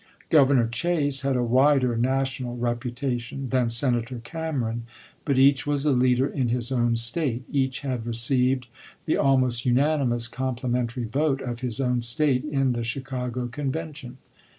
Gov ernor Chase had a wider national reputation than Senator Cameron, but each was a leader in his own State, each had received the almost unanimous complimentary vote of his own State in the Chi cago Convention.